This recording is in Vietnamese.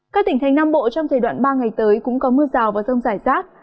các tỉnh thành nam bộ trong thời đoạn ba ngày tới cũng có mưa rào và rông rải rác